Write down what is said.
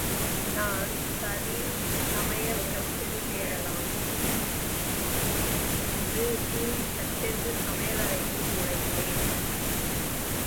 நான், சரி சமையற் கட்டில் தேடலாம் என்று கூறிச் சட்டென்று சமையல் அறைக்குள் நுழைந்தேன்.